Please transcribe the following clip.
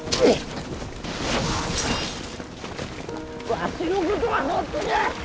わしのことは放っとけ！